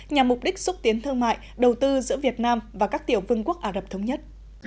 nhằm mục đích xúc tiến thương mại đầu tư giữa việt nam và các tiểu vương quốc ả rập thống nhất